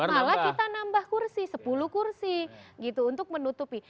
malah kita nambah kursi sepuluh kursi gitu untuk menutupi